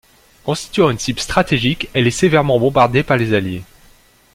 Constituant une cible stratégique, elle est sévèrement bombardée par les Alliés.